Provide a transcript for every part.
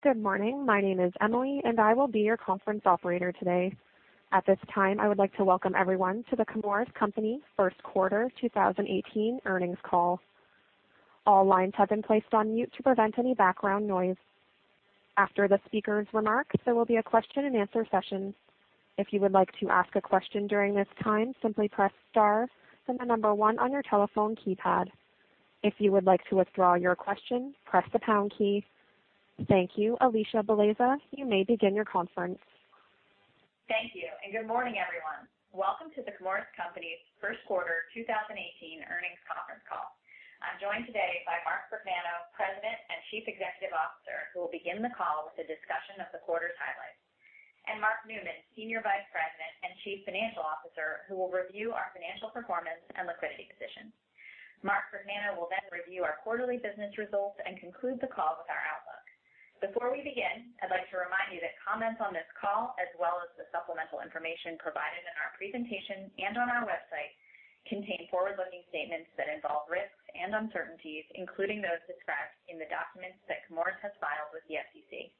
Good morning. My name is Emily, and I will be your conference operator today. At this time, I would like to welcome everyone to The Chemours Company First Quarter 2018 Earnings Call. All lines have been placed on mute to prevent any background noise. After the speakers' remarks, there will be a question and answer session. If you would like to ask a question during this time, simply press star, then the number one on your telephone keypad. If you would like to withdraw your question, press the pound key. Thank you. Alisha Bellezza, you may begin your conference. Thank you. Good morning, everyone. Welcome to The Chemours Company's First Quarter 2018 Earnings Conference Call. I'm joined today by Mark Vergnano, President and Chief Executive Officer, who will begin the call with a discussion of the quarter's highlights. Mark Newman, Senior Vice President and Chief Financial Officer, who will review our financial performance and liquidity position. Mark Vergnano will review our quarterly business results and conclude the call with our outlook. Before we begin, I'd like to remind you that comments on this call, as well as the supplemental information provided in our presentation and on our website, contain forward-looking statements that involve risks and uncertainties, including those described in the documents that Chemours has filed with the SEC.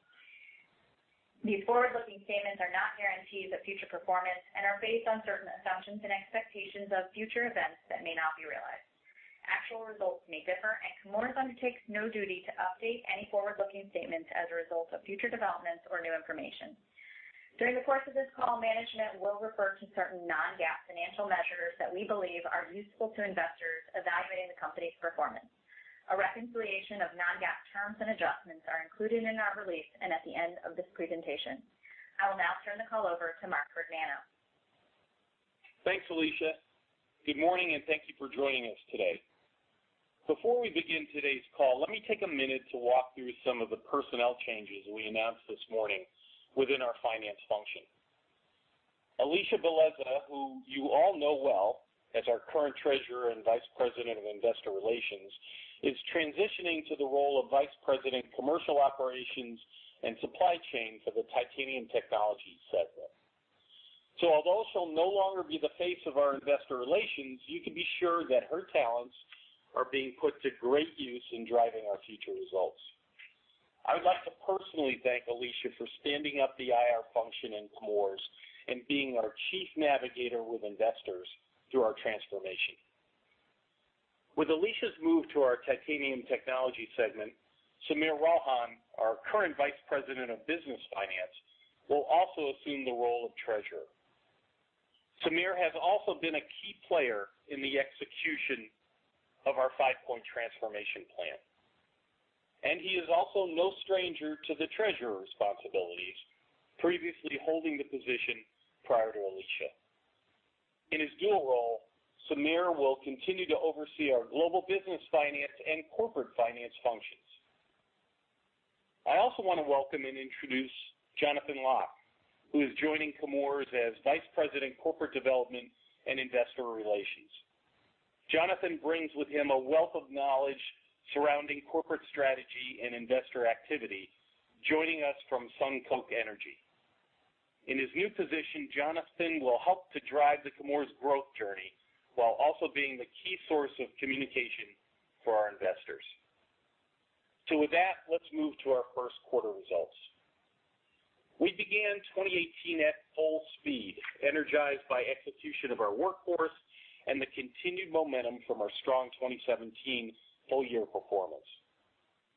These forward-looking statements are not guarantees of future performance and are based on certain assumptions and expectations of future events that may not be realized. Actual results may differ. Chemours undertakes no duty to update any forward-looking statements as a result of future developments or new information. During the course of this call, management will refer to certain non-GAAP financial measures that we believe are useful to investors evaluating the company's performance. A reconciliation of non-GAAP terms and adjustments are included in our release and at the end of this presentation. I will now turn the call over to Mark Vergnano. Thanks, Alisha. Good morning. Thank you for joining us today. Before we begin today's call, let me take a minute to walk through some of the personnel changes we announced this morning within our finance function. Alisha Bellezza, who you all know well as our current Treasurer and Vice President of Investor Relations, is transitioning to the role of Vice President, Commercial Operations and Supply Chain for the Titanium Technologies segment. Although she'll no longer be the face of our investor relations, you can be sure that her talents are being put to great use in driving our future results. I would like to personally thank Alisha for standing up the IR function in Chemours and being our chief navigator with investors through our transformation. With Alisha's move to our Titanium Technologies segment, Sameer Ralhan, our current Vice President of Business Finance, will also assume the role of treasurer. Sameer has also been a key player in the execution of our five-point transformation plan, and he is also no stranger to the treasurer responsibilities, previously holding the position prior to Alisha. In his dual role, Sameer will continue to oversee our global business finance and corporate finance functions. I also want to welcome and introduce Jonathan Lock, who is joining Chemours as Vice President, Corporate Development and Investor Relations. Jonathan brings with him a wealth of knowledge surrounding corporate strategy and investor activity, joining us from SunCoke Energy. In his new position, Jonathan will help to drive the Chemours growth journey while also being the key source of communication for our investors. With that, let's move to our first quarter results. We began 2018 at full speed, energized by execution of our workforce and the continued momentum from our strong 2017 full-year performance.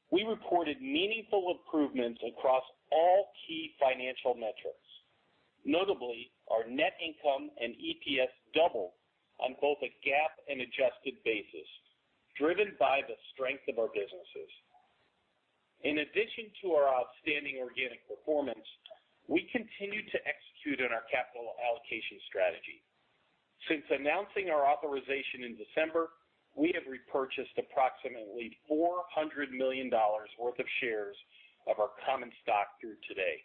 We reported meaningful improvements across all key financial metrics. Notably, our net income and EPS doubled on both a GAAP and adjusted basis, driven by the strength of our businesses. In addition to our outstanding organic performance, we continue to execute on our capital allocation strategy. Since announcing our authorization in December, we have repurchased approximately $400 million worth of shares of our common stock through today.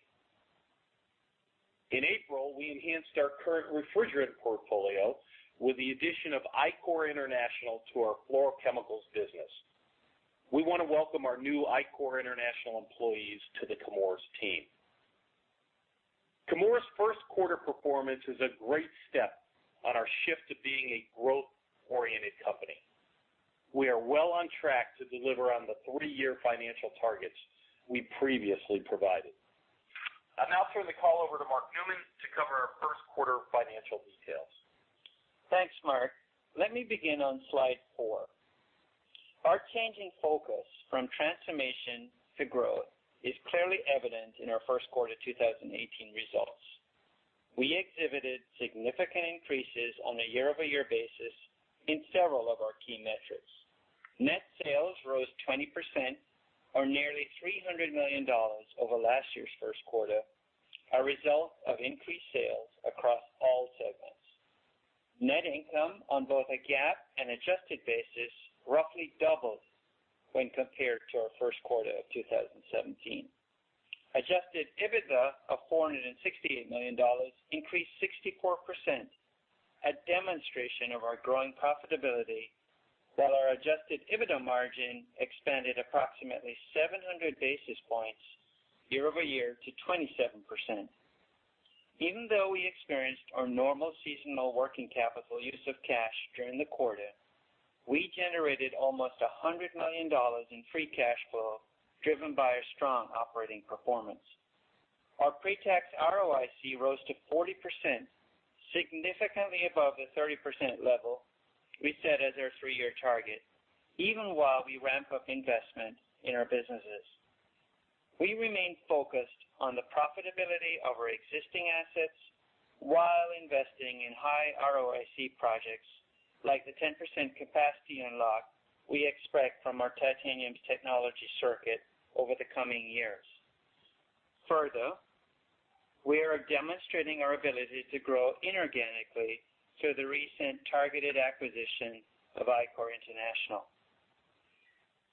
In April, we enhanced our current refrigerant portfolio with the addition of ICOR International to our fluorochemicals business. We want to welcome our new ICOR International employees to the Chemours team. Chemours' first quarter performance is a great step on our shift to being a growth-oriented company. We are well on track to deliver on the three-year financial targets we previously provided. I'll now turn the call over to Mark Newman to cover our first quarter financial details. Thanks, Mark. Let me begin on slide four. Our changing focus from transformation to growth is clearly evident in our first quarter 2018 results. We exhibited significant increases on a year-over-year basis in several of our key metrics. Net sales rose 20%, or nearly $300 million over last year's first quarter, a result of increased sales across all segments. Net income on both a GAAP and adjusted basis roughly doubled when compared to our first quarter of 2017. Adjusted EBITDA of $468 million increased 64%, a demonstration of our growing profitability. While our adjusted EBITDA margin expanded approximately 700 basis points year-over-year to 27%. Even though we experienced our normal seasonal working capital use of cash during the quarter, we generated almost $100 million in free cash flow, driven by a strong operating performance. Our pre-tax ROIC rose to 40%, significantly above the 30% level we set as our three-year target, even while we ramp up investment in our businesses. We remain focused on the profitability of our existing assets while investing in high ROIC projects like the 10% capacity unlock we expect from our Titanium Technology circuit over the coming years. Further, we are demonstrating our ability to grow inorganically through the recent targeted acquisition of ICOR International.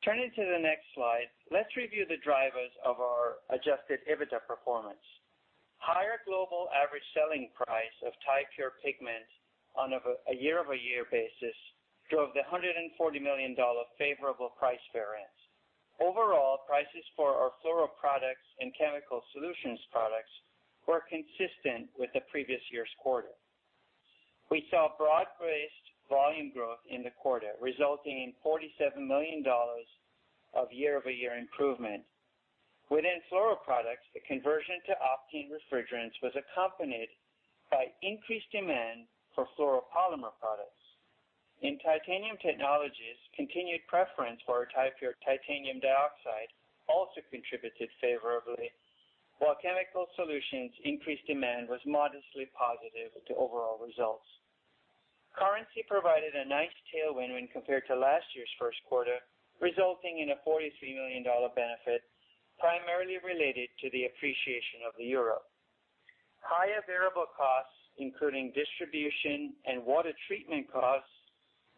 Turning to the next slide, let's review the drivers of our adjusted EBITDA performance. Higher global average selling price of Ti-Pure pigment on a year-over-year basis drove the $140 million favorable price variance. Overall, prices for our fluoro products and chemical solutions products were consistent with the previous year's quarter. We saw broad-based volume growth in the quarter, resulting in $47 million of year-over-year improvement. Within fluoro products, the conversion to Opteon refrigerants was accompanied by increased demand for fluoropolymer products. In Titanium Technologies, continued preference for our Ti-Pure titanium dioxide also contributed favorably, while Chemical Solutions increased demand was modestly positive to overall results. Currency provided a nice tailwind when compared to last year's first quarter, resulting in a $43 million benefit, primarily related to the appreciation of the euro. Higher variable costs, including distribution and water treatment costs,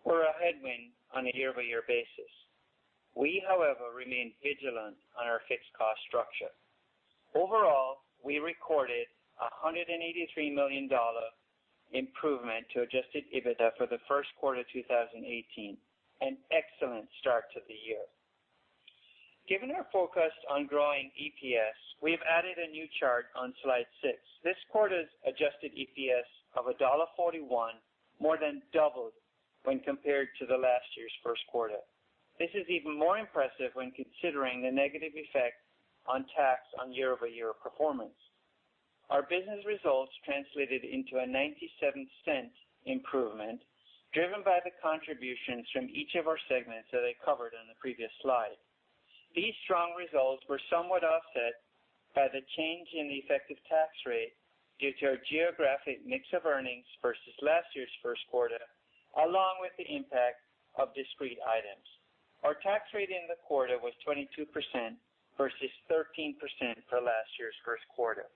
were a headwind on a year-over-year basis. We, however, remain vigilant on our fixed cost structure. Overall, we recorded $183 million improvement to adjusted EBITDA for the first quarter of 2018, an excellent start to the year. Given our focus on growing EPS, we have added a new chart on slide six. This quarter's adjusted EPS of $1.41 more than doubled when compared to the last year's first quarter. This is even more impressive when considering the negative effect on tax on year-over-year performance. Our business results translated into a $0.97 improvement, driven by the contributions from each of our segments that I covered on the previous slide. These strong results were somewhat offset by the change in the effective tax rate due to our geographic mix of earnings versus last year's first quarter, along with the impact of discrete items. Our tax rate in the quarter was 22% versus 13% for last year's first quarter.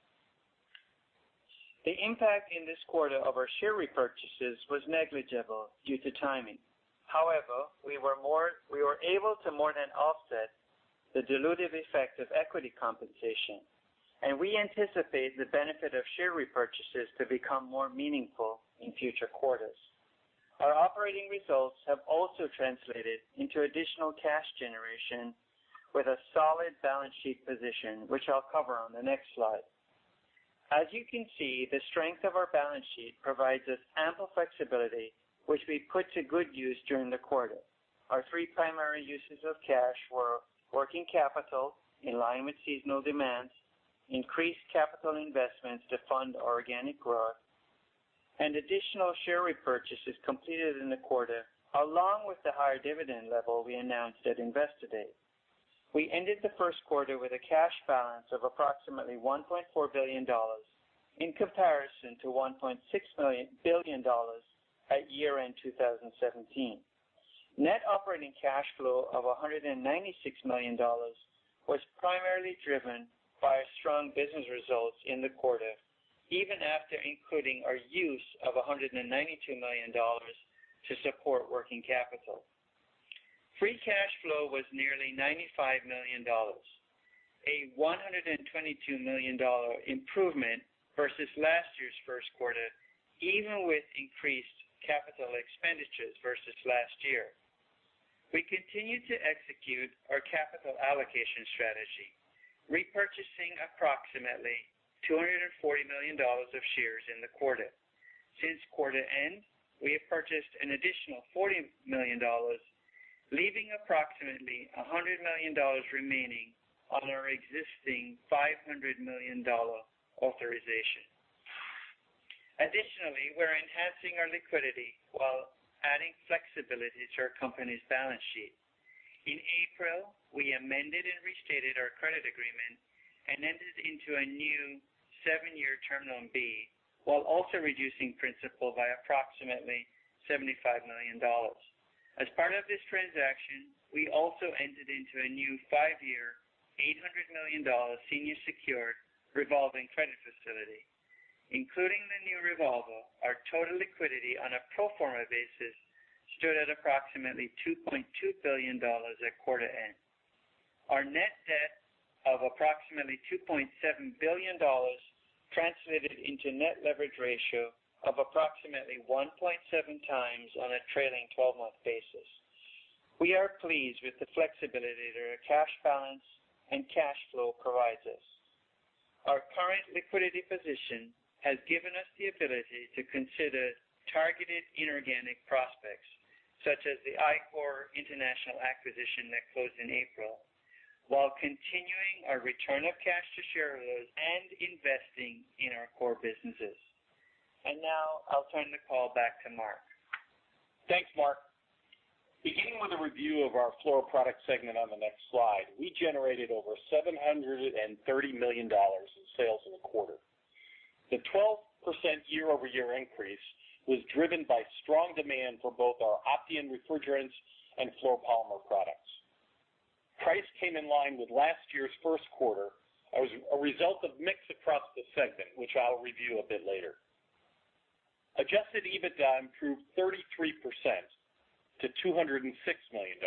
The impact in this quarter of our share repurchases was negligible due to timing. However, we were able to more than offset the dilutive effect of equity compensation, and we anticipate the benefit of share repurchases to become more meaningful in future quarters. Our operating results have also translated into additional cash generation with a solid balance sheet position, which I'll cover on the next slide. As you can see, the strength of our balance sheet provides us ample flexibility, which we put to good use during the quarter. Our three primary uses of cash were working capital in line with seasonal demands, increased capital investments to fund organic growth, and additional share repurchases completed in the quarter, along with the higher dividend level we announced at Investor Day. We ended the first quarter with a cash balance of approximately $1.4 billion in comparison to $1.6 billion at year-end 2017. Net operating cash flow of $196 million was primarily driven by our strong business results in the quarter, even after including our use of $192 million to support working capital. Free cash flow was nearly $95 million, a $122 million improvement versus last year's first quarter, even with increased capital expenditures versus last year. We continued to execute our capital allocation strategy, repurchasing approximately $240 million of shares in the quarter. Since quarter end, we have purchased an additional $40 million, leaving approximately $100 million remaining on our existing $500 million authorization. We're enhancing our liquidity while adding flexibility to our company's balance sheet. In April, we amended and restated our credit agreement and entered into a new seven-year Term Loan B, while also reducing principal by approximately $75 million. As part of this transaction, we also entered into a new five-year, $800 million senior secured revolving credit facility. Including the new revolver, our total liquidity on a pro forma basis stood at approximately $2.2 billion at quarter end. Our net debt of approximately $2.7 billion translated into net leverage ratio of approximately 1.7 times on a trailing 12-month basis. We are pleased with the flexibility that our cash balance and cash flow provides us. Our current liquidity position has given us the ability to consider targeted inorganic prospects, such as the ICOR International acquisition that closed in April, while continuing our return of cash to shareholders and investing in our core businesses. Now I'll turn the call back to Mark. Thanks, Mark. Beginning with a review of our Fluoroproducts segment on the next slide, we generated over $730 million in sales in the quarter. The 12% year-over-year increase was driven by strong demand for both our Opteon refrigerants and fluoropolymer products. Price came in line with last year's first quarter as a result of mix across the segment, which I'll review a bit later. Adjusted EBITDA improved 33% to $206 million.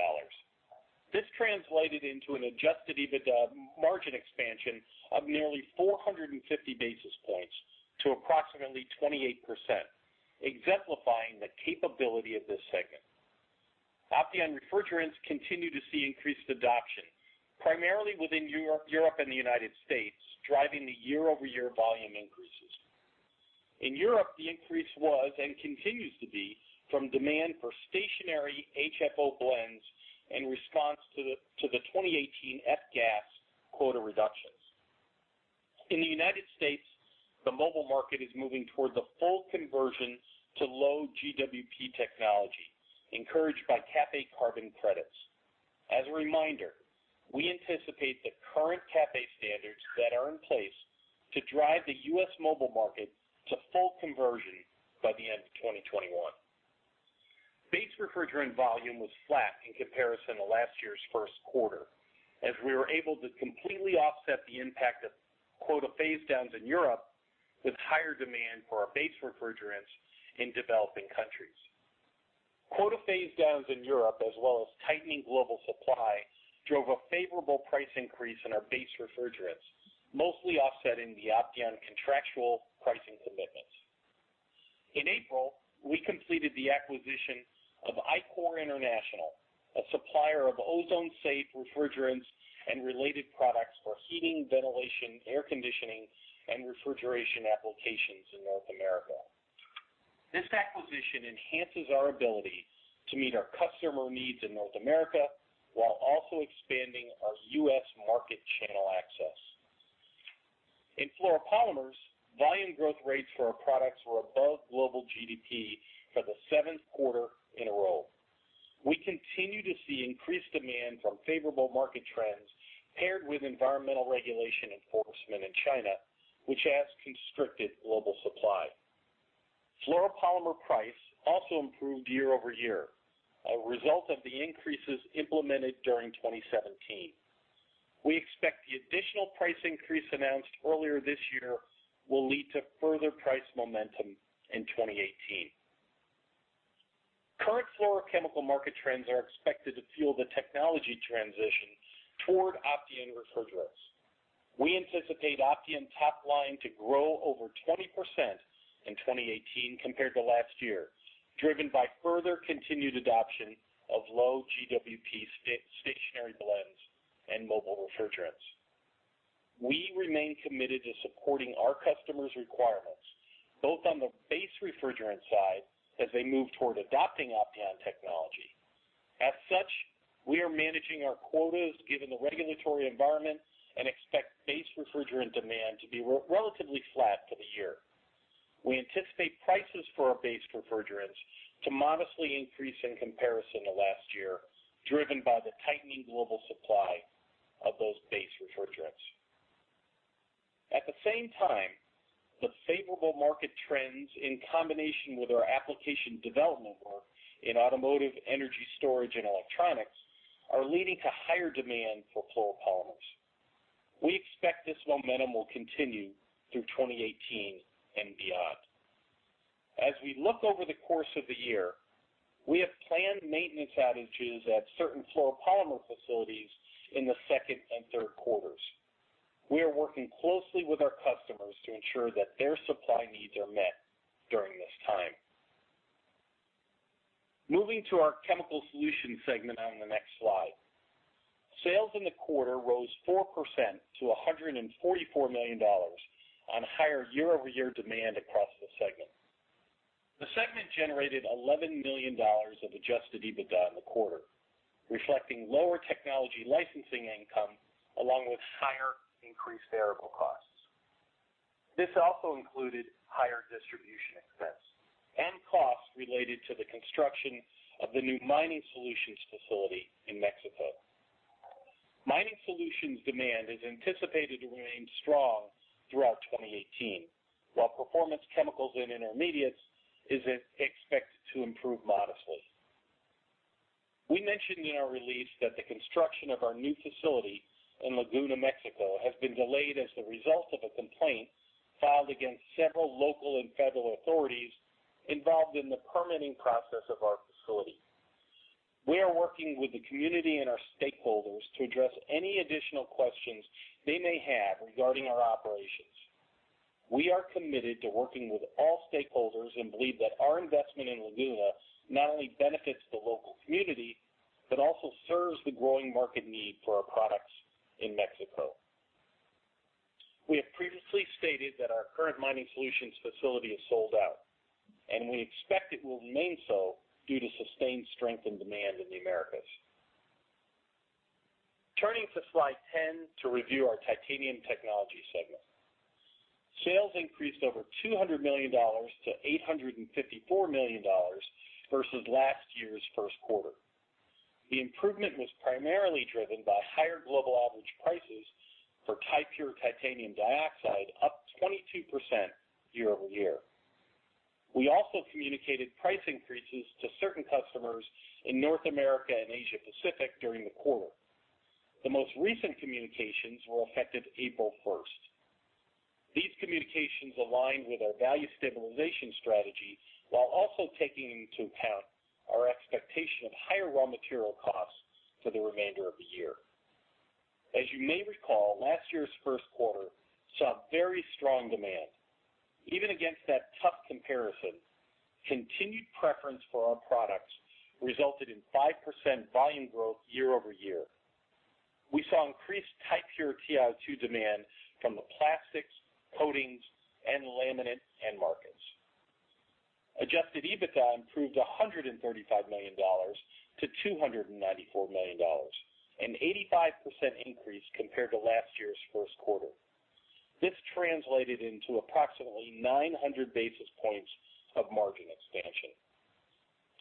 This translated into an adjusted EBITDA margin expansion of nearly 450 basis points to approximately 28%, exemplifying the capability of this segment. Opteon refrigerants continue to see increased adoption, primarily within Europe and the U.S., driving the year-over-year volume increases. In Europe, the increase was, and continues to be, from demand for stationary HFO blends in response to the 2018 F-gas quota reductions. In the U.S., the mobile market is moving toward the full conversion to low GWP technology, encouraged by CAFE carbon credits. As a reminder, we anticipate the current CAFE standards that are in place to drive the U.S. mobile market to full conversion by the end of 2021. Base refrigerant volume was flat in comparison to last year's first quarter, as we were able to completely offset the impact of quota phase-downs in Europe with higher demand for our base refrigerants in developing countries. Quota phase-downs in Europe, as well as tightening global supply, drove a favorable price increase in our base refrigerants, mostly offsetting the Opteon contractual pricing commitments. In April, we completed the acquisition of ICOR International, a supplier of ozone-safe refrigerants and related products for heating, ventilation, air conditioning, and refrigeration applications in North America. This acquisition enhances our ability to meet our customer needs in North America while also expanding our U.S. market channel access. In fluoropolymers, volume growth rates for our products were above global GDP for the seventh quarter in a row. We continue to see increased demand from favorable market trends paired with environmental regulation enforcement in China, which has constricted global supply. Fluoropolymer price also improved year-over-year, a result of the increases implemented during 2017. We expect the additional price increase announced earlier this year will lead to further price momentum in 2018. Current fluorochemical market trends are expected to fuel the technology transition toward Opteon refrigerants. We anticipate Opteon top line to grow over 20% in 2018 compared to last year, driven by further continued adoption of low GWP stationary blends and mobile refrigerants. We remain committed to supporting our customers' requirements, both on the base refrigerant side as they move toward adopting Opteon technology. As such, we are managing our quotas given the regulatory environment and expect base refrigerant demand to be relatively flat for the year. We anticipate prices for our base refrigerants to modestly increase in comparison to last year, driven by the tightening global supply of those base refrigerants. At the same time, the favorable market trends, in combination with our application development work in automotive, energy storage, and electronics, are leading to higher demand for fluoropolymers. We expect this momentum will continue through 2018 and beyond. As we look over the course of the year, we have planned maintenance outages at certain fluoropolymer facilities in the second and third quarters. We are working closely with our customers to ensure that their supply needs are met during this time. Moving to our Chemical Solutions segment on the next slide. Sales in the quarter rose 4% to $144 million on higher year-over-year demand across the segment. The segment generated $11 million of adjusted EBITDA in the quarter, reflecting lower technology licensing income along with higher increased variable costs. This also included higher distribution expense and costs related to the construction of the new Mining Solutions facility in Mexico. Mining Solutions demand is anticipated to remain strong throughout 2018, while Performance Chemicals and Intermediates is expected to improve modestly. We mentioned in our release that the construction of our new facility in Laguna, Mexico, has been delayed as the result of a complaint filed against several local and federal authorities involved in the permitting process of our facility. We are working with the community and our stakeholders to address any additional questions they may have regarding our operations. We are committed to working with all stakeholders and believe that our investment in Laguna not only benefits the local community, but also serves the growing market need for our products in Mexico. We have previously stated that our current Mining Solutions facility is sold out, and we expect it will remain so due to sustained strength in demand in the Americas. Turning to slide 10 to review our Titanium Technologies segment. Sales increased over $200 million to $854 million versus last year's first quarter. The improvement was primarily driven by higher global average prices for Ti-Pure titanium dioxide, up 22% year-over-year. We also communicated price increases to certain customers in North America and Asia Pacific during the quarter. The most recent communications were effective April 1st. These communications align with our value stabilization strategy while also taking into account our expectation of higher raw material costs for the remainder of the year. As you may recall, last year's first quarter saw very strong demand. Even against that tough comparison, continued preference for our products resulted in 5% volume growth year over year. We saw increased Ti-Pure TiO2 demand from the plastics, coatings, and laminate end markets. Adjusted EBITDA improved $135 million to $294 million, an 85% increase compared to last year's first quarter. This translated into approximately 900 basis points of margin expansion.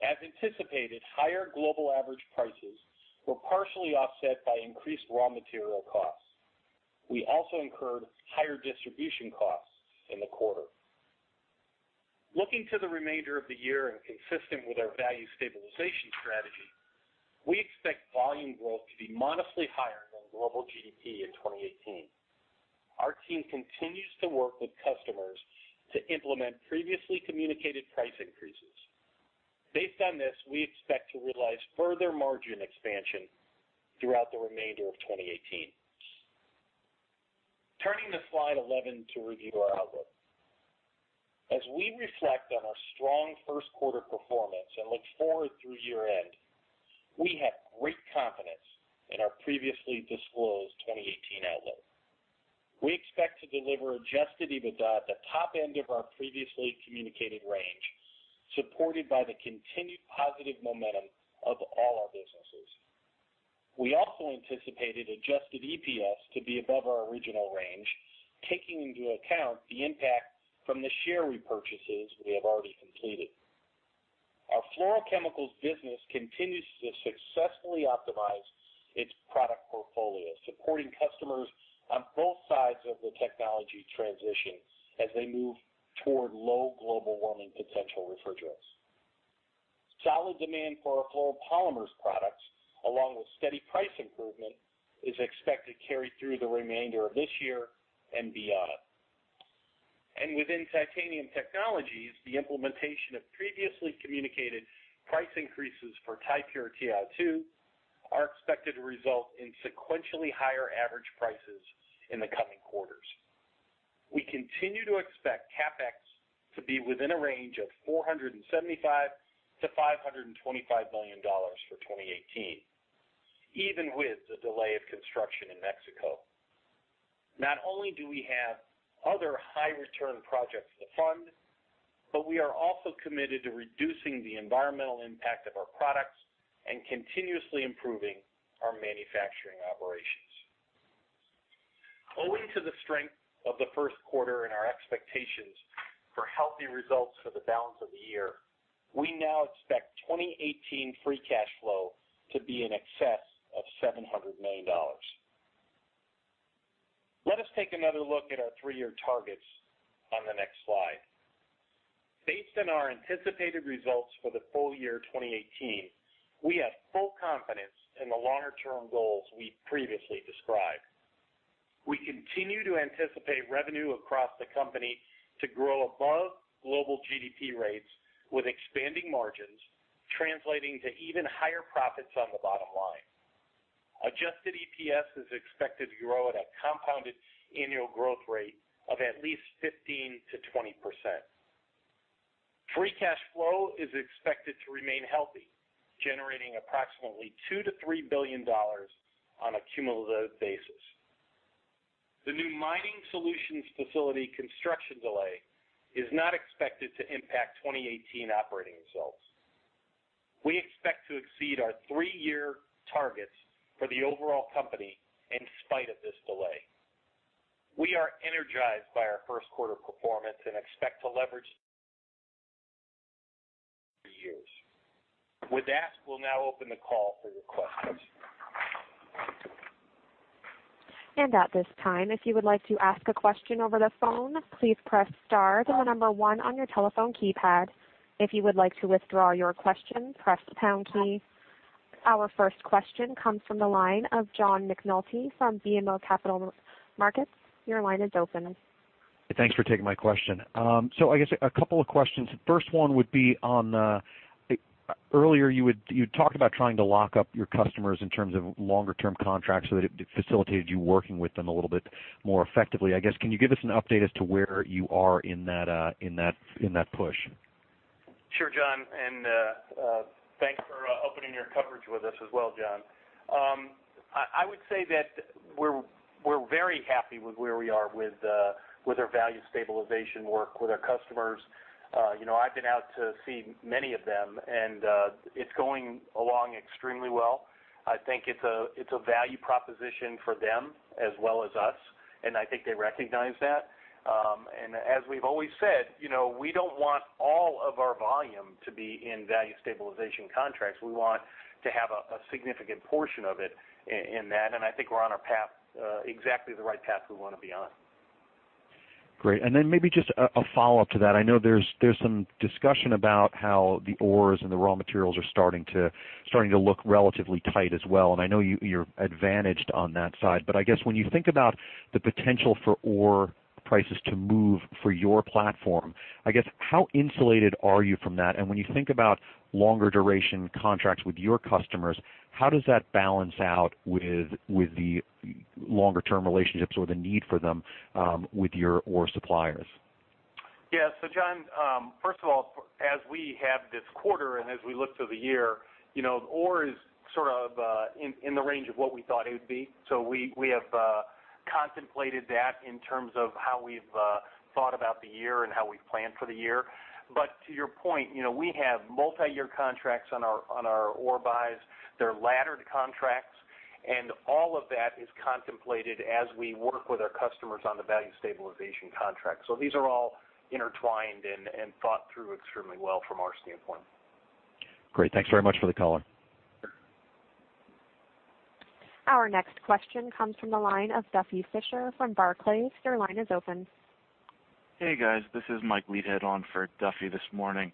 As anticipated, higher global average prices were partially offset by increased raw material costs. We also incurred higher distribution costs in the quarter. Looking to the remainder of the year and consistent with our value stabilization strategy, we expect volume growth to be modestly higher than global GDP in 2018. Our team continues to work with customers to implement previously communicated price increases. Based on this, we expect to realize further margin expansion throughout the remainder of 2018. Turning to slide 11 to review our outlook. As we reflect on our strong first quarter performance and look forward through year end, we have great confidence in our previously disclosed 2018 outlook. We expect to deliver Adjusted EBITDA at the top end of our previously communicated range, supported by the continued positive momentum of all our businesses. We also anticipated Adjusted EPS to be above our original range, taking into account the impact from the share repurchases we have already completed. Our fluorochemicals business continues to successfully optimize its product portfolio, supporting customers on both sides of the technology transition as they move toward low global warming potential refrigerants. Solid demand for our fluoropolymers products, along with steady price improvement, is expected to carry through the remainder of this year and beyond. Within Titanium Technologies, the implementation of previously communicated price increases for Ti-Pure TiO2 are expected to result in sequentially higher average prices in the coming quarters. We continue to expect CapEx to be within a range of $475 million to $525 million for 2018, even with the delay of construction in Mexico. Not only do we have other high return projects to fund, but we are also committed to reducing the environmental impact of our products and continuously improving our manufacturing operations. Owing to the strength of the first quarter and our expectations for healthy results for the balance of the year, we now expect 2018 free cash flow to be in excess of $700 million. Let us take another look at our three-year targets on the next slide. Based on our anticipated results for the full year 2018, we have full confidence in the longer-term goals we previously described. We continue to anticipate revenue across the company to grow above global GDP rates, with expanding margins translating to even higher profits on the bottom line. Adjusted EPS is expected to grow at a compounded annual growth rate of at least 15%-20%. Free cash flow is expected to remain healthy, generating approximately $2 billion to $3 billion on a cumulative basis. The new Mining Solutions facility construction delay is not expected to impact 2018 operating results. We expect to exceed our three-year targets for the overall company in spite of this delay. We are energized by our first quarter performance and expect to leverage. With that, we'll now open the call for your questions. At this time, if you would like to ask a question over the phone, please press star, then the number one on your telephone keypad. If you would like to withdraw your question, press the pound key. Our first question comes from the line of John McNulty from BMO Capital Markets. Your line is open. Thanks for taking my question. I guess a couple of questions. First one would be on, earlier you talked about trying to lock up your customers in terms of longer-term contracts so that it facilitated you working with them a little bit more effectively. I guess, can you give us an update as to where you are in that push? Sure, John, thanks for opening your coverage with us as well, John. I would say that we're very happy with where we are with our value stabilization work with our customers. I've been out to see many of them, and it's going along extremely well. I think it's a value proposition for them as well as us, and I think they recognize that. As we've always said, we don't want all of our volume to be in value stabilization contracts. We want to have a significant portion of it in that, and I think we're on exactly the right path we want to be on. Great. Maybe just a follow-up to that. I know there's some discussion about how the ores and the raw materials are starting to look relatively tight as well, I know you're advantaged on that side. I guess when you think about the potential for ore prices to move for your platform, I guess how insulated are you from that? When you think about longer duration contracts with your customers, how does that balance out with the longer-term relationships or the need for them with your ore suppliers? Yeah. John, first of all, as we have this quarter, as we look to the year, ore is sort of in the range of what we thought it would be. We have contemplated that in terms of how we've thought about the year and how we've planned for the year. To your point, we have multi-year contracts on our ore buys. They're laddered contracts, all of that is contemplated as we work with our customers on the value stabilization contract. These are all intertwined and thought through extremely well from our standpoint. Great. Thanks very much for the color. Our next question comes from the line of Duffy Fischer from Barclays. Your line is open. Hey, guys. This is Mike Leithead on for Duffy Fischer this morning.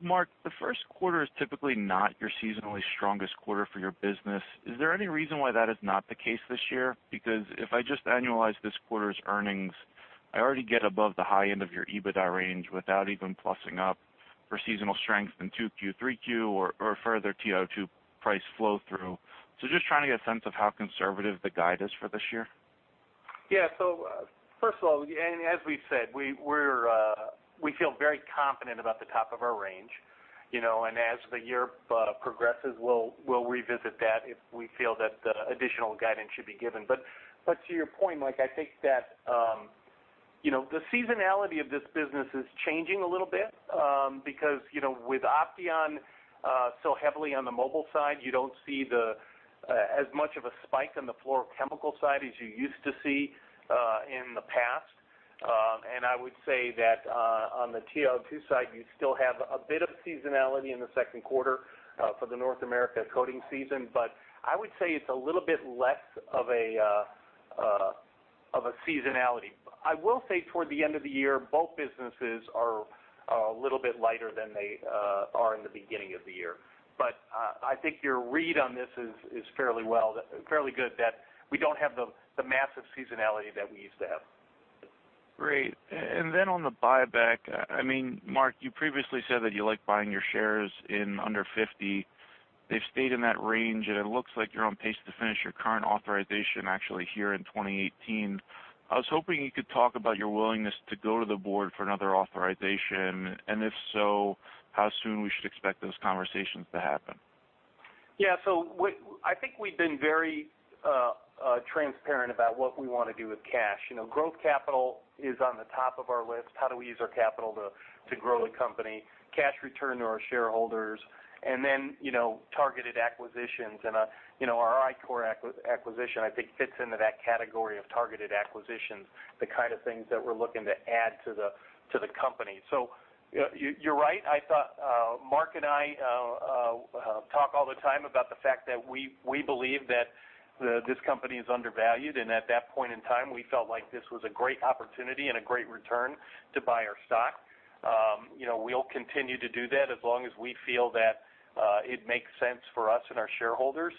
Mark, the first quarter is typically not your seasonally strongest quarter for your business. Is there any reason why that is not the case this year? If I just annualize this quarter's earnings, I already get above the high end of your EBITDA range without even plussing up for seasonal strength in 2Q, 3Q or further TiO2 price flow-through. Just trying to get a sense of how conservative the guide is for this year. Yeah. First of all, as we've said, we feel very confident about the top of our range. As the year progresses, we'll revisit that if we feel that additional guidance should be given. To your point, Mike Leithead, I think that the seasonality of this business is changing a little bit. With Opteon so heavily on the mobile side, you don't see as much of a spike on the fluorochemical side as you used to see in the past. I would say that on the TiO2 side, you still have a bit of seasonality in the second quarter for the North America coating season. I would say it's a little bit less of a seasonality. I will say toward the end of the year, both businesses are a little bit lighter than they are in the beginning of the year. I think your read on this is fairly good that we don't have the massive seasonality that we used to have. Great. On the buyback, Mark, you previously said that you like buying your shares in under $50. They've stayed in that range, it looks like you're on pace to finish your current authorization actually here in 2018. I was hoping you could talk about your willingness to go to the board for another authorization, if so, how soon we should expect those conversations to happen. I think we've been very transparent about what we want to do with cash. Growth capital is on the top of our list. How do we use our capital to grow the company? Cash return to our shareholders, then targeted acquisitions. Our ICOR acquisition, I think fits into that category of targeted acquisitions, the kind of things that we're looking to add to the company. You're right. Mark and I talk all the time about the fact that we believe that this company is undervalued, and at that point in time, we felt like this was a great opportunity and a great return to buy our stock. We'll continue to do that as long as we feel that it makes sense for us and our shareholders.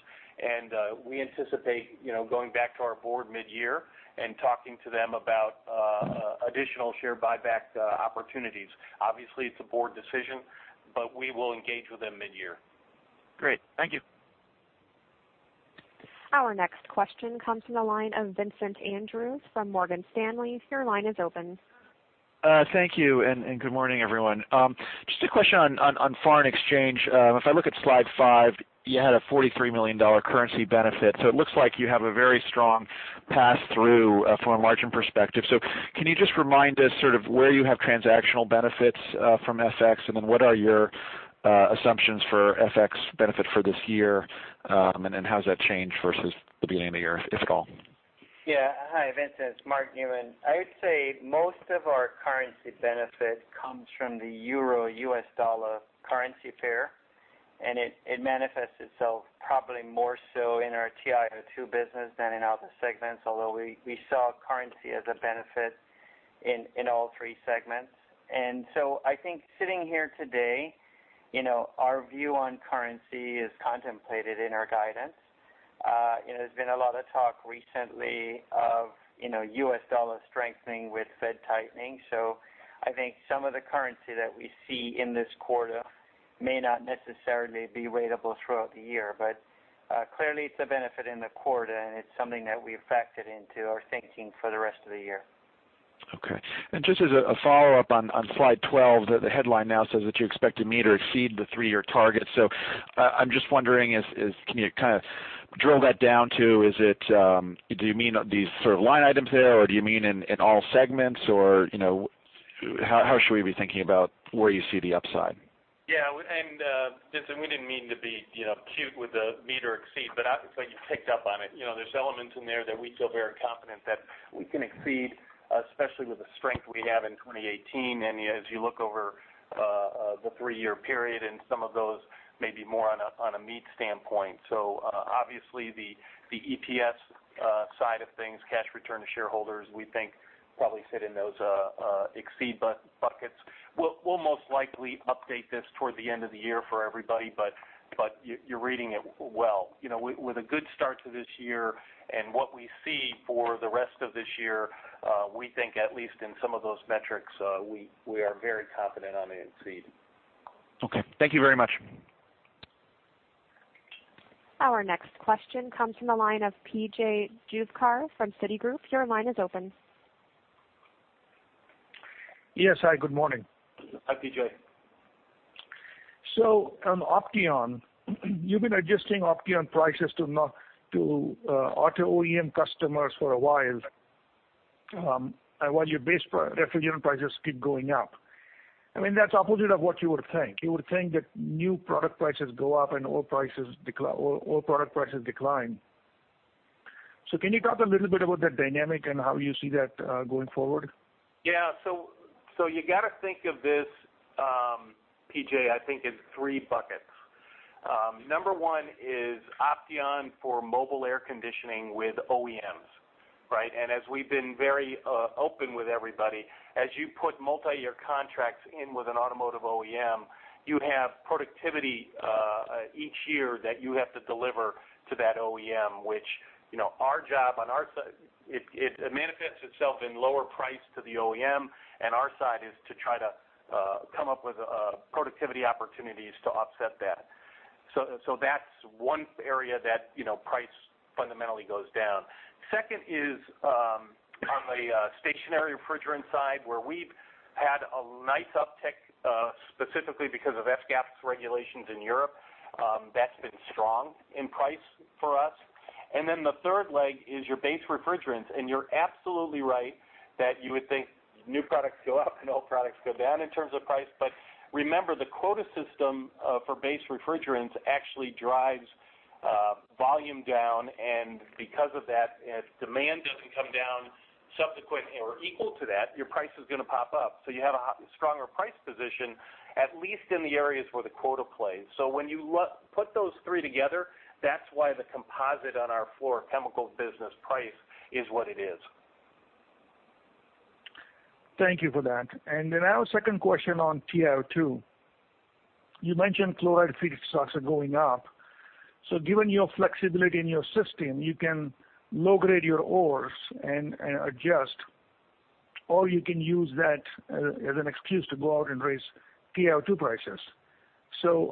We anticipate going back to our board mid-year and talking to them about additional share buyback opportunities. Obviously, it's a board decision, we will engage with them mid-year. Great. Thank you. Our next question comes from the line of Vincent Andrews from Morgan Stanley. Your line is open. Thank you, good morning, everyone. Just a question on foreign exchange. If I look at slide five, you had a $43 million currency benefit. It looks like you have a very strong pass-through from a margin perspective. Can you just remind us sort of where you have transactional benefits from FX, then what are your assumptions for FX benefit for this year? How has that changed versus the beginning of the year, if at all? Yeah. Hi, Vincent. It's Mark Newman. I would say most of our currency benefit comes from the euro-U.S. dollar currency pair, and it manifests itself probably more so in our TiO2 business than in other segments, although we saw currency as a benefit in all three segments. I think sitting here today, our view on currency is contemplated in our guidance. There's been a lot of talk recently of U.S. dollar strengthening with Fed tightening. I think some of the currency that we see in this quarter May not necessarily be ratable throughout the year, but clearly it's a benefit in the quarter and it's something that we've factored into our thinking for the rest of the year. Okay. Just as a follow-up on slide 12, the headline now says that you expect to meet or exceed the three-year target. I'm just wondering, can you kind of drill that down to, do you mean these sort of line items here, or do you mean in all segments? How should we be thinking about where you see the upside? Listen, we didn't mean to be cute with the meet or exceed, but it's like you picked up on it. There's elements in there that we feel very confident that we can exceed, especially with the strength we have in 2018. As you look over the three-year period and some of those may be more on a meet standpoint. Obviously the EPS side of things, cash return to shareholders, we think probably fit in those exceed buckets. We'll most likely update this toward the end of the year for everybody, but you're reading it well. With a good start to this year and what we see for the rest of this year, we think at least in some of those metrics, we are very confident on the exceed. Okay. Thank you very much. Our next question comes from the line of PJ Juvekar from Citigroup. Your line is open. Yes. Hi, good morning. Hi, PJ. On Opteon, you've been adjusting Opteon prices to auto OEM customers for a while, and while your base refrigerant prices keep going up. I mean, that's opposite of what you would think. You would think that new product prices go up and old product prices decline. Can you talk a little bit about that dynamic and how you see that going forward? Yeah. You got to think of this, PJ, I think in three buckets. Number one is Opteon for mobile air conditioning with OEMs. Right? As we've been very open with everybody, as you put multi-year contracts in with an automotive OEM, you have productivity each year that you have to deliver to that OEM, which, our job on our side, it manifests itself in lower price to the OEM and our side is to try to come up with productivity opportunities to offset that. That's one area that price fundamentally goes down. Second is on the stationary refrigerant side, where we've had a nice uptick, specifically because of F-gas regulations in Europe. That's been strong in price for us. The third leg is your base refrigerants. You're absolutely right that you would think new products go up and old products go down in terms of price, but remember, the quota system for base refrigerants actually drives volume down. Because of that, as demand doesn't come down subsequent or equal to that, your price is going to pop up. You have a stronger price position, at least in the areas where the quota plays. When you put those three together, that's why the composite on our fluorochemicals business price is what it is. Thank you for that. Now second question on TiO2. Given your flexibility in your system, you can low grade your ores and adjust, or you can use that as an excuse to go out and raise TiO2 prices.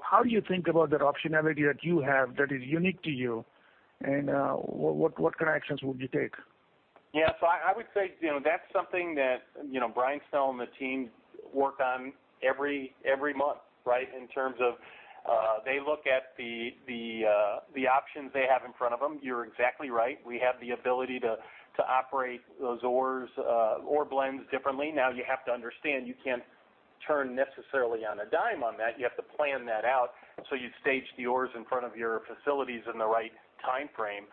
How do you think about that optionality that you have that is unique to you, and what kind of actions would you take? Yeah. I would say that's something that Bryan Snell and the team work on every month, right? In terms of, they look at the options they have in front of them. You're exactly right. We have the ability to operate those ore blends differently. You have to understand, you can't turn necessarily on a dime on that. You have to plan that out so you stage the ores in front of your facilities in the right timeframe.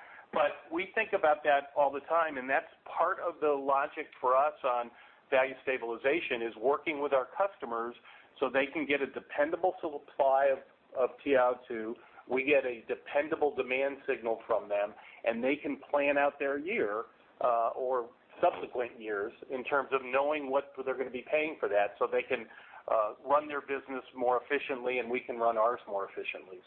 We think about that all the time, and that's part of the logic for us on value stabilization, is working with our customers so they can get a dependable supply of TiO2. We get a dependable demand signal from them, and they can plan out their year, or subsequent years in terms of knowing what they're going to be paying for that, so they can run their business more efficiently and we can run ours more efficiently.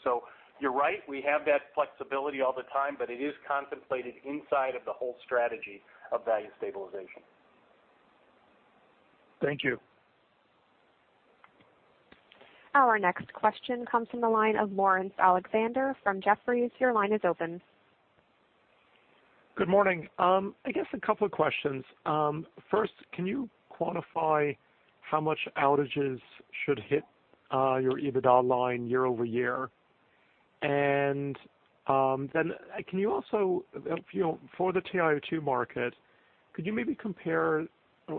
You're right, we have that flexibility all the time, but it is contemplated inside of the whole strategy of value stabilization. Thank you. Our next question comes from the line of Laurence Alexander from Jefferies. Your line is open. Good morning. I guess a couple of questions. First, can you quantify how much outages should hit your EBITDA line year-over-year? Can you also, for the TiO2 market, could you maybe compare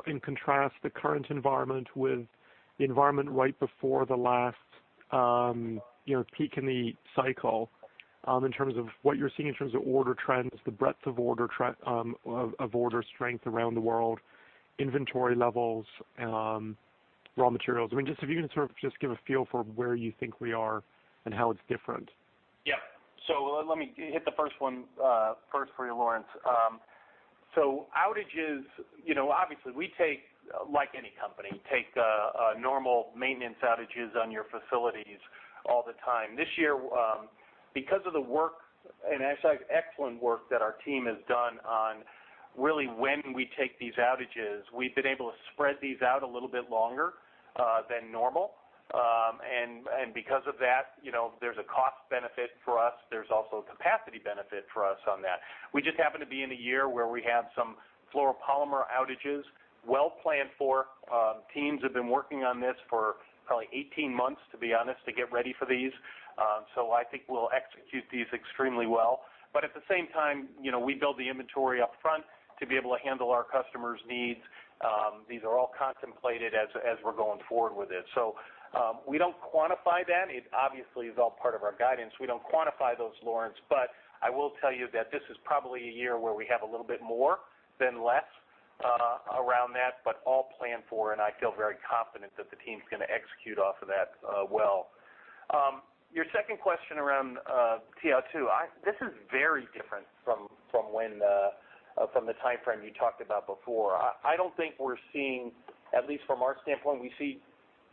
and contrast the current environment with the environment right before the last peak in the cycle in terms of what you're seeing in terms of order trends, the breadth of order strength around the world, inventory levels, raw materials. I mean, if you can sort of just give a feel for where you think we are and how it's different. Yep. Let me hit the first one first for you, Laurence. Outages, obviously we take, like any company, take normal maintenance outages on your facilities all the time. This year, because of the work and actually excellent work that our team has done on really when we take these outages. We've been able to spread these out a little bit longer than normal. Because of that, there's a cost benefit for us. There's also a capacity benefit for us on that. We just happen to be in a year where we have some fluoropolymer outages well planned for. Teams have been working on this for probably 18 months, to be honest, to get ready for these. I think we'll execute these extremely well. At the same time, we build the inventory up front to be able to handle our customers' needs. These are all contemplated as we're going forward with it. We don't quantify that. It obviously is all part of our guidance. We don't quantify those, Laurence, but I will tell you that this is probably a year where we have a little bit more than less around that, but all planned for, and I feel very confident that the team's going to execute off of that well. Your second question around TiO2. This is very different from the timeframe you talked about before. I don't think we're seeing, at least from our standpoint, we see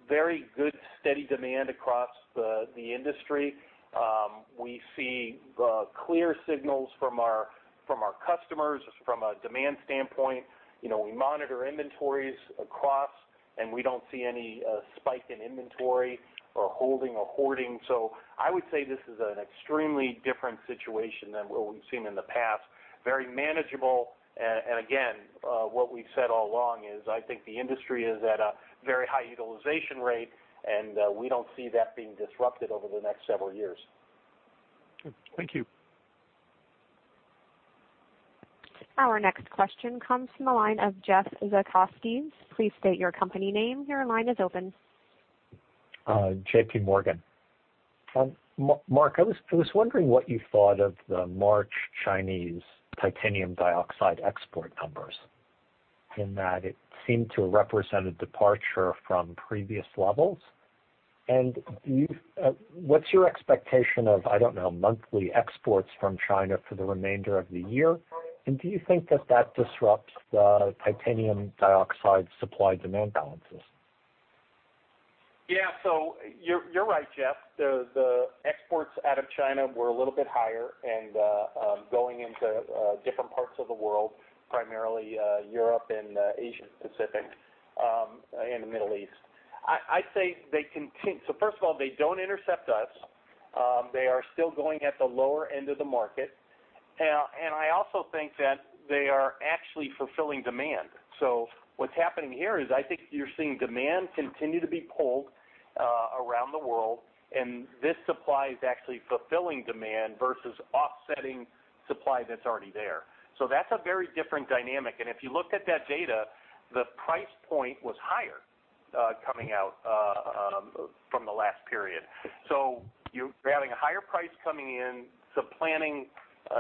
very good, steady demand across the industry. We see clear signals from our customers from a demand standpoint. We monitor inventories across, and we don't see any spike in inventory or holding or hoarding. I would say this is an extremely different situation than what we've seen in the past, very manageable. What we've said all along is I think the industry is at a very high utilization rate, and we don't see that being disrupted over the next several years. Thank you. Our next question comes from the line of Jeff Zekauskas. Please state your company name. Your line is open. J.P. Morgan. Mark, I was wondering what you thought of the March Chinese titanium dioxide export numbers, in that it seemed to represent a departure from previous levels. What's your expectation of, I don't know, monthly exports from China for the remainder of the year, and do you think that that disrupts the titanium dioxide supply-demand balances? You're right, Jeff. The exports out of China were a little bit higher and going into different parts of the world, primarily Europe and Asia Pacific and the Middle East. First of all, they don't intercept us. They are still going at the lower end of the market. I also think that they are actually fulfilling demand. What's happening here is I think you're seeing demand continue to be pulled around the world, and this supply is actually fulfilling demand versus offsetting supply that's already there. That's a very different dynamic. If you looked at that data, the price point was higher coming out from the last period. You're having a higher price coming in,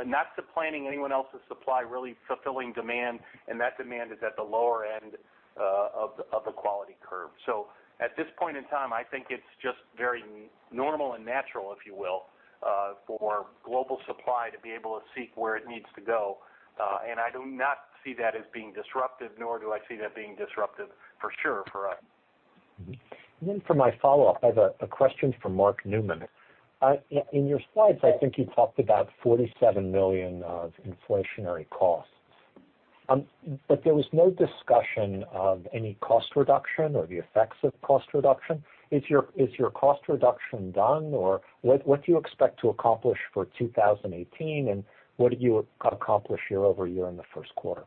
not supplanting anyone else's supply, really fulfilling demand, and that demand is at the lower end of the quality curve. At this point in time, I think it's just very normal and natural, if you will, for global supply to be able to seek where it needs to go. I do not see that as being disruptive, nor do I see that being disruptive for sure for us. For my follow-up, I have a question for Mark Newman. In your slides, I think you talked about $47 million of inflationary costs. There was no discussion of any cost reduction or the effects of cost reduction. Is your cost reduction done, or what do you expect to accomplish for 2018, and what did you accomplish year-over-year in the first quarter?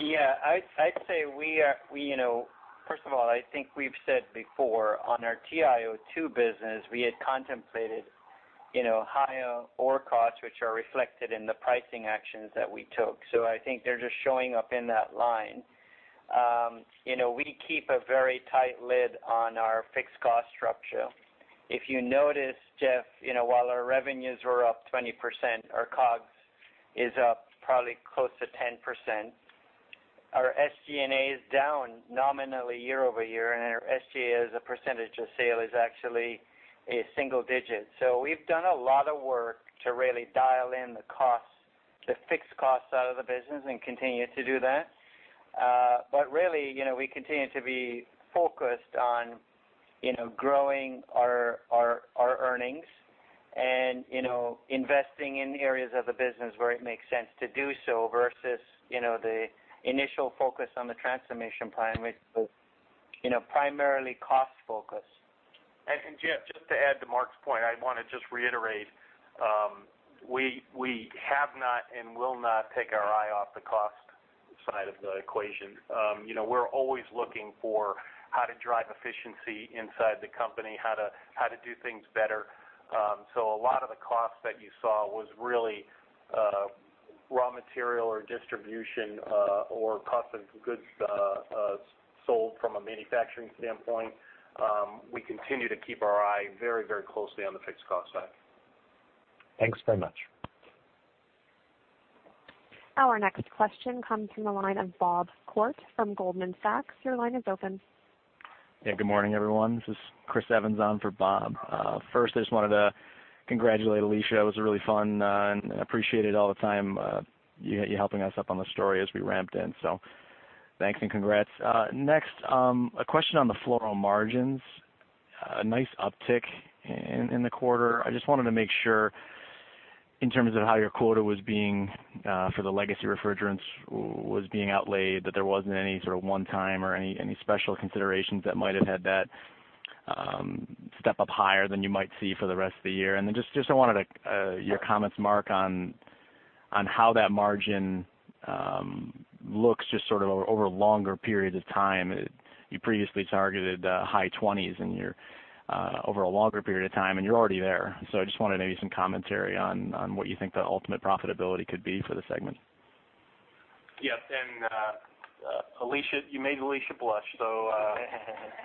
Yeah. First of all, I think we've said before on our TiO2 business, we had contemplated higher ore costs, which are reflected in the pricing actions that we took. I think they're just showing up in that line. We keep a very tight lid on our fixed cost structure. If you notice, Jeff, while our revenues were up 20%, our COGS is up probably close to 10%. Our SG&A is down nominally year-over-year, and our SG as a percentage of sale is actually a single digit. We've done a lot of work to really dial in the fixed costs out of the business and continue to do that. Really, we continue to be focused on growing our earnings and investing in areas of the business where it makes sense to do so versus the initial focus on the transformation plan, which was primarily cost-focused. Jeff, just to add to Mark's point, I want to just reiterate, we have not and will not take our eye off the cost side of the equation. We're always looking for how to drive efficiency inside the company, how to do things better. A lot of the costs that you saw was really raw material or distribution or cost of goods sold from a manufacturing standpoint. We continue to keep our eye very closely on the fixed cost side. Thanks very much. Our next question comes from the line of Bob Koort from Goldman Sachs. Your line is open. Good morning, everyone. This is Chris Evans on for Bob. First, I just wanted to congratulate Alisha. That was really fun, and I appreciate it all the time you helping us up on the story as we ramped in. Thanks and congrats. Next, a question on the fluoro margins. A nice uptick in the quarter. I just wanted to make sure in terms of how your quota for the legacy refrigerants was being outlaid, that there wasn't any sort of one-time or any special considerations that might have had that step up higher than you might see for the rest of the year. Then just I wanted your comments, Mark, on how that margin looks just sort of over longer periods of time. You previously targeted high 20s over a longer period of time, and you're already there. I just wanted maybe some commentary on what you think the ultimate profitability could be for the segment. Yes. You made Alisha blush, so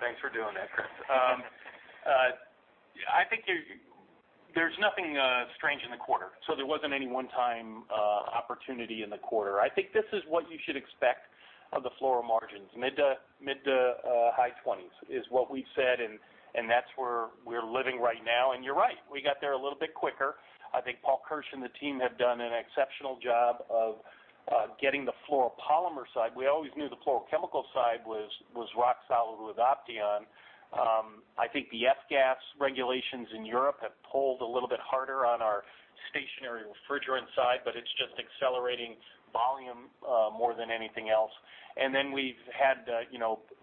thanks for doing that, Chris. I think there's nothing strange in the quarter, so there wasn't any one-time opportunity in the quarter. I think this is what you should expect of the fluoromargins. Mid to high 20s is what we've said, that's where we're living right now. You're right. We got there a little bit quicker. I think Paul Kirsch and the team have done an exceptional job of getting the fluoropolymer side. We always knew the fluorochemical side was rock solid with Opteon. I think the F-gas regulations in Europe have pulled a little bit harder on our stationary refrigerant side, it's just accelerating volume more than anything else. We've had the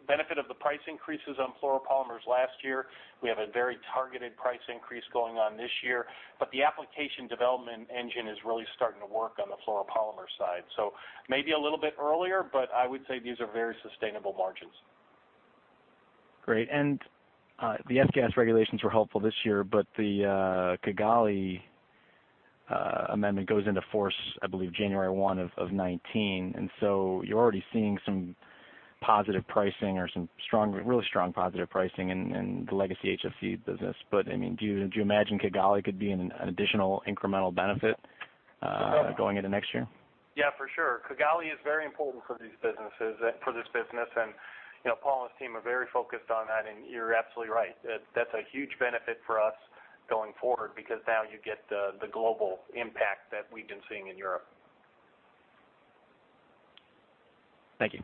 benefit of the price increases on fluoropolymers last year. We have a very targeted price increase going on this year. The application development engine is really starting to work on the fluoropolymer side. Maybe a little bit earlier, I would say these are very sustainable margins. Great. The F-gas regulations were helpful this year, the Kigali Amendment goes into force, I believe January 1, 2019. You're already seeing some positive pricing or some really strong positive pricing in the legacy HFC business. Do you imagine Kigali could be an additional incremental benefit going into next year? Yeah, for sure. Kigali is very important for this business, Paul and his team are very focused on that. You're absolutely right. That's a huge benefit for us going forward because now you get the global impact that we've been seeing in Europe. Thank you.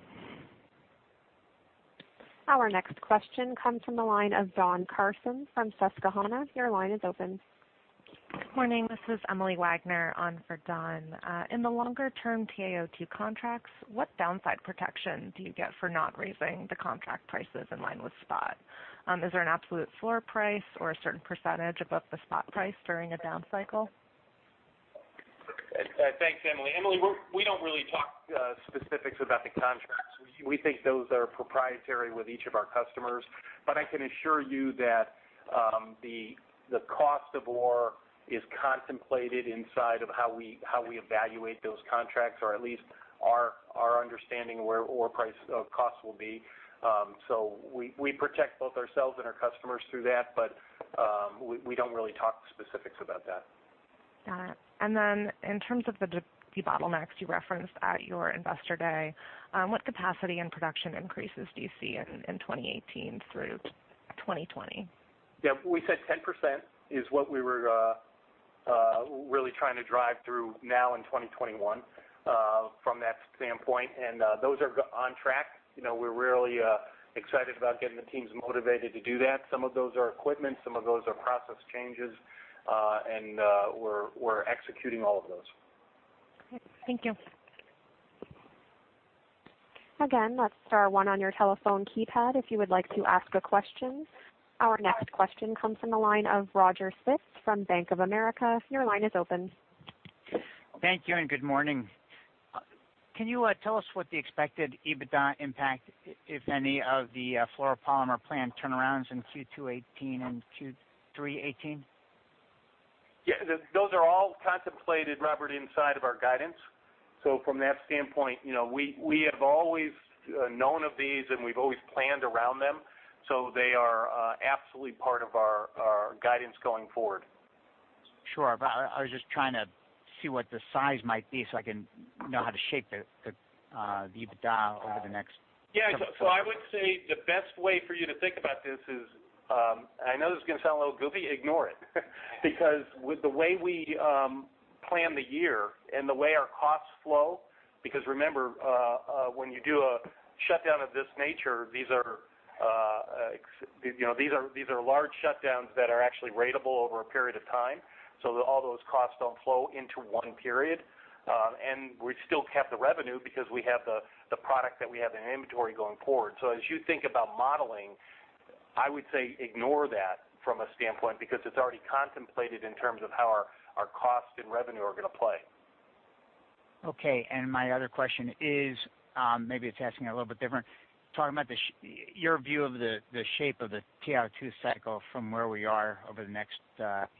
Our next question comes from the line of Don Carson from Susquehanna. Your line is open. Good morning. This is Emily Wagner on for Don. In the longer-term TiO2 contracts, what downside protection do you get for not raising the contract prices in line with spot? Is there an absolute floor price or a certain percentage above the spot price during a down cycle? Thanks, Emily. Emily, we don't really talk specifics about the contracts. We think those are proprietary with each of our customers. I can assure you that the cost of ore is contemplated inside of how we evaluate those contracts, or at least our understanding of where ore cost will be. We protect both ourselves and our customers through that, but we don't really talk specifics about that. Got it. In terms of the bottlenecks you referenced at your Investor Day, what capacity and production increases do you see in 2018 through 2020? Yeah. We said 10% is what we were really trying to drive through now in 2021 from that standpoint. Those are on track. We're really excited about getting the teams motivated to do that. Some of those are equipment, some of those are process changes. We're executing all of those. Great. Thank you. Again, that's star one on your telephone keypad if you would like to ask a question. Our next question comes from the line of Roger Spitz from Bank of America. Your line is open. Thank you, and good morning. Can you tell us what the expected EBITDA impact, if any, of the fluoropolymer plant turnarounds in Q2 2018 and Q3 2018? Yeah. Those are all contemplated, Roger, inside of our guidance. From that standpoint, we have always known of these, and we've always planned around them. They are absolutely part of our guidance going forward. Sure. I was just trying to see what the size might be so I can know how to shape the EBITDA over the next couple quarters. I would say the best way for you to think about this is, and I know this is going to sound a little goofy, ignore it. With the way we plan the year and the way our costs flow, because remember when you do a shutdown of this nature, these are large shutdowns that are actually ratable over a period of time, so that all those costs don't flow into one period. We still kept the revenue because we have the product that we have in inventory going forward. As you think about modeling, I would say ignore that from a standpoint because it's already contemplated in terms of how our cost and revenue are going to play. Okay. My other question is, maybe it's asking it a little bit different, talking about your view of the shape of the TiO2 cycle from where we are over the next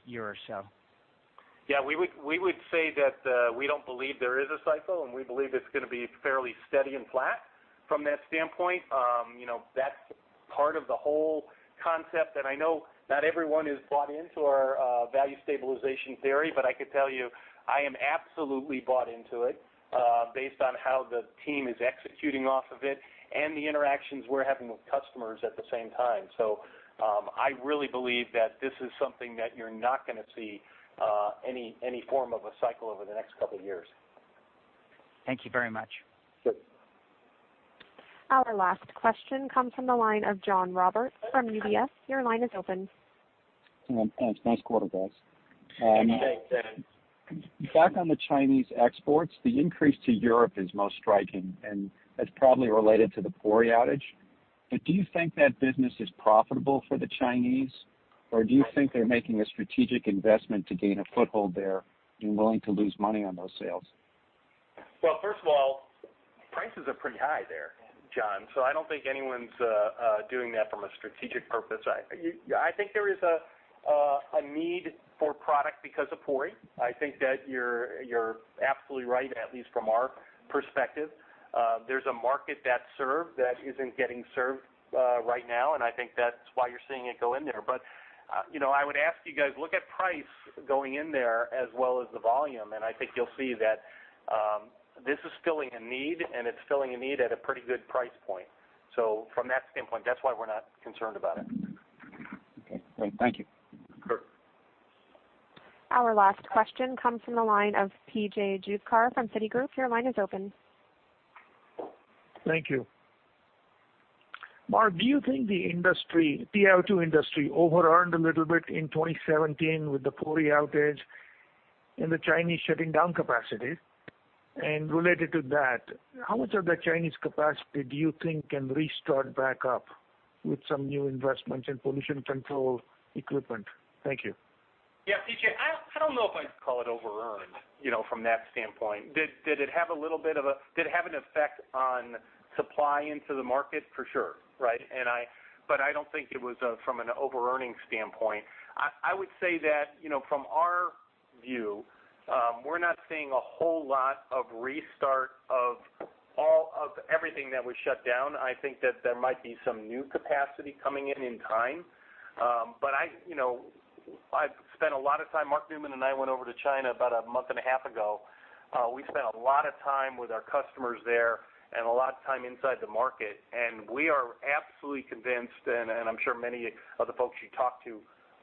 year or so. Yeah. We would say that we don't believe there is a cycle, and we believe it's going to be fairly steady and flat from that standpoint. That's part of the whole concept, and I know not everyone has bought into our value stabilization theory. I could tell you, I am absolutely bought into it based on how the team is executing off of it and the interactions we're having with customers at the same time. I really believe that this is something that you're not going to see any form of a cycle over the next couple of years. Thank you very much. Sure. Our last question comes from the line of John Roberts from UBS. Your line is open. Thanks. Nice quarter, guys. Thanks. Back on the Chinese exports, the increase to Europe is most striking, and that's probably related to the Pori outage. Do you think that business is profitable for the Chinese, or do you think they're making a strategic investment to gain a foothold there and willing to lose money on those sales? First of all, prices are pretty high there, John, so I don't think anyone's doing that from a strategic purpose. I think there is a need for product because of Pori. I think that you're absolutely right, at least from our perspective. There's a market that's served that isn't getting served right now, and I think that's why you're seeing it go in there. I would ask you guys, look at price going in there as well as the volume, and I think you'll see that this is filling a need, and it's filling a need at a pretty good price point. From that standpoint, that's why we're not concerned about it. Okay, great. Thank you. Sure. Our last question comes from the line of P.J. Juvekar from Citigroup. Your line is open. Thank you. Mark, do you think the TiO2 industry over-earned a little bit in 2017 with the Pori outage and the Chinese shutting down capacity? Related to that, how much of the Chinese capacity do you think can restart back up with some new investments in pollution control equipment? Thank you. Yeah, P.J., I don't know if I'd call it over-earned, from that standpoint. Did it have an effect on supply into the market? For sure, right? I don't think it was from an over-earning standpoint. I would say that from our view, we're not seeing a whole lot of restart of everything that was shut down. I think that there might be some new capacity coming in in time. Mark Newman and I went over to China about a month and a half ago. We spent a lot of time with our customers there and a lot of time inside the market, and we are absolutely convinced, and I'm sure many of the folks you talk to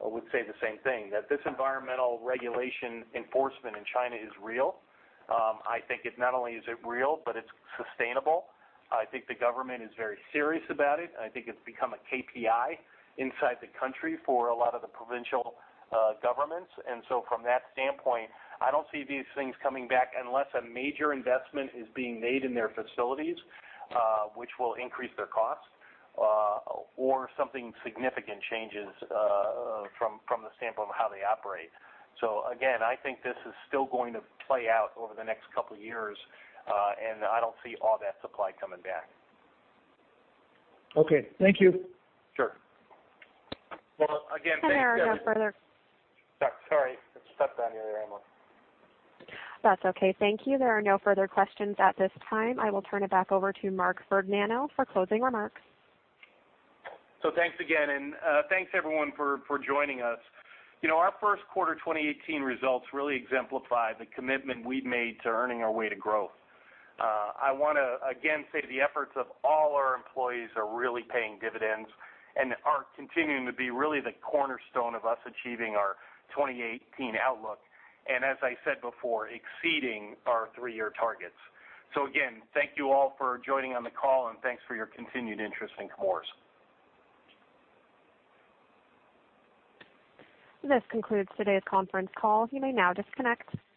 would say the same thing, that this environmental regulation enforcement in China is real. I think not only is it real, but it's sustainable. I think the government is very serious about it. I think it's become a KPI inside the country for a lot of the provincial governments. From that standpoint, I don't see these things coming back unless a major investment is being made in their facilities, which will increase their costs, or something significant changes from the standpoint of how they operate. Again, I think this is still going to play out over the next couple of years, and I don't see all that supply coming back. Okay. Thank you. Sure. Well, again, thanks everyone. There are no further- Sorry, I just stepped on you there, Emma. That's okay. Thank you. There are no further questions at this time. I will turn it back over to Mark Vergnano for closing remarks. Thanks again, and thanks everyone for joining us. Our first quarter 2018 results really exemplify the commitment we've made to earning our way to growth. I want to again say the efforts of all our employees are really paying dividends and are continuing to be really the cornerstone of us achieving our 2018 outlook and, as I said before, exceeding our three-year targets. Again, thank you all for joining on the call, and thanks for your continued interest in Chemours. This concludes today's conference call. You may now disconnect.